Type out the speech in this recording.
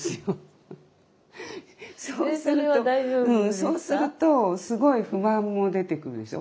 そうするとすごい不満も出てくるでしょ。